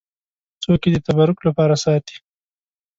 څوک یې د تبرک لپاره ساتي.